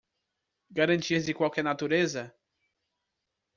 Garantias de qualquer natureza?